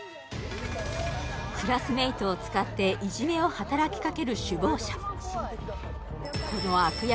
クラスメートを使っていじめを働きかける首謀者